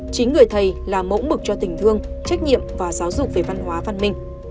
chính người thầy là mẫu mực cho tình thương trách nhiệm và giáo dục về văn hóa văn minh